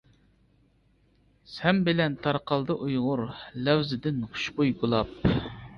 سەن بىلەن تارقالدى ئۇيغۇر لەۋزىدىن خۇشبۇي گۇلاب.